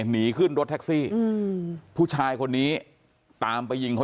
หนีขึ้นรถแท็กซี่อืมผู้ชายคนนี้ตามไปยิงเขา